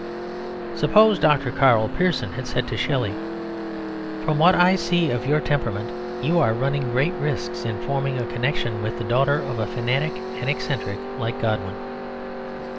Suppose Dr. Karl Pearson had said to Shelley, "From what I see of your temperament, you are running great risks in forming a connection with the daughter of a fanatic and eccentric like Godwin."